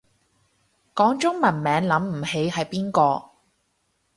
講中文名諗唔起係邊個